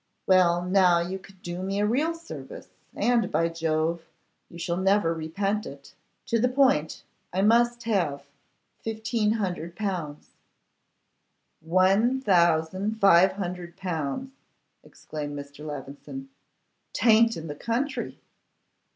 'Well, now you can do me a real service, and, by Jove, you shall never repent it. To the point; I must have 1,500L.' 'One thousand five hundred pounds!' exclaimed Mr. Levison. ''Tayn't in the country.